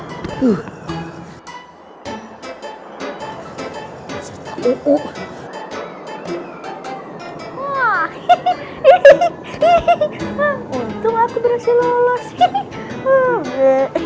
uh uh uh uh wuihir hehehe selalu dengan seluruh sifat